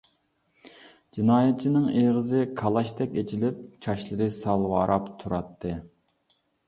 جىنايەتچىنىڭ ئېغىزى كالاچتەك ئېچىلىپ، چاچلىرى سالۋاراپ تۇراتتى.